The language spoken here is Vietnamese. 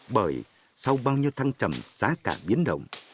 bởi sau bao nhiêu thăng trầm giá cả biến động